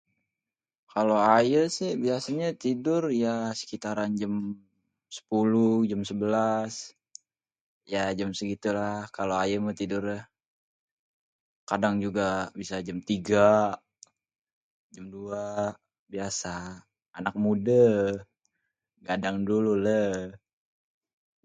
Kalo ayé sih biasanya tidur ya sekitaran jam sepuluh, jam sebelas. Ya jam segitulah kalo ayé mah tidurnya. Kadang juga bisa jam tiga, jam dua. Biasa anak mude, gadang dulu leh.